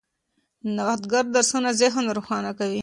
نوښتګر درسونه ذهن روښانه کوي.